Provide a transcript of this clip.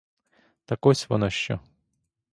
Так ось воно що!